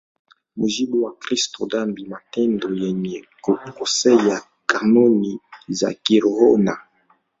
mujibu wa Kristo dhambi matendo yenye kukosea kanuni za kiroho na